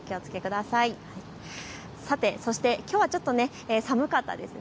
さて、きょうはちょっと寒かったですよね。